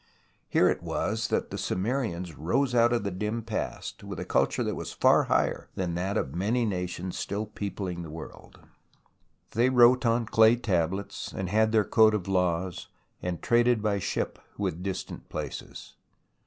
Here it was that the Sumerians rose out of the dim past, with a culture that was far higher than that of many nations still peopling the world. They wrote on clay tablets, and had their code of laws, and traded by ship with distant places.